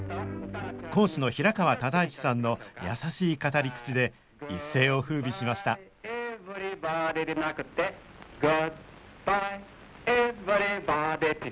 講師の平川唯一さんの優しい語り口で一世をふうびしました「グッバイエヴリバディ」